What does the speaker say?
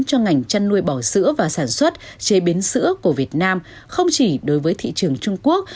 cho ngành chăn nuôi bò sữa và sản xuất chế biến sữa của việt nam không chỉ đối với thị trường trung quốc